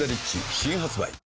新発売